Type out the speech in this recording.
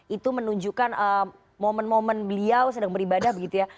itu menunjukkan momen momen beliau sedang beribadah begitu ya